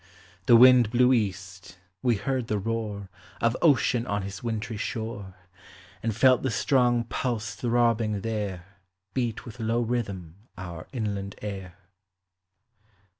The wind blew east: we heard the roar Of Ocean on his wintrv shore, And felt the strong pulse throbbing there Reat with low rhythm our inland air.